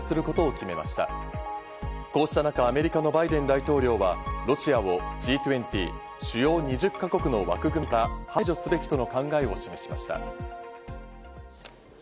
こうした中、アメリカのバイデン大統領は、ロシアをＧ２０＝主要２０か国の枠組みから排除すべきとの考えを示しました。